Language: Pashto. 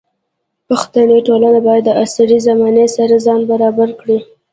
پښتني ټولنه باید د عصري زمانې سره ځان برابر کړي.